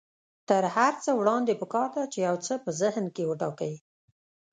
تر هر څه وړاندې پکار ده چې يو څه په ذهن کې وټاکئ.